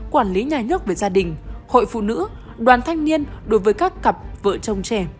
quản lý nhà nước về gia đình hội phụ nữ đoàn thanh niên đối với các cặp vợ chồng trẻ